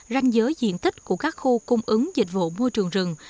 ranh giới diện tích của các khu cung ứng dịch vụ môi trường rừng